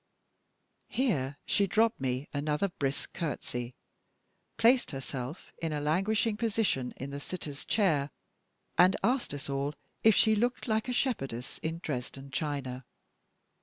Here she dropped me another brisk courtesy, placed herself in a languishing position in the sitter's chair, and asked us all if she looked like a shepherdess in Dresden china.